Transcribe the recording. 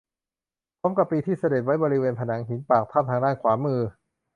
พร้อมกับปีที่เสด็จไว้บริเวณผนังหินปากถ้ำทางด้านขวามือ